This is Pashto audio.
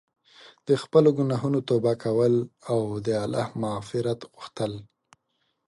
د خپلو ګناهونو توبه کول او د الله مغفرت غوښتل.